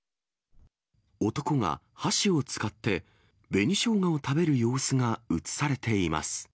男が箸を使って紅ショウガを食べる様子が写されています。